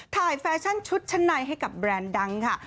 แฟชั่นชุดชั้นในให้กับแบรนด์ดังค่ะ